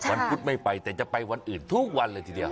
พุธไม่ไปแต่จะไปวันอื่นทุกวันเลยทีเดียว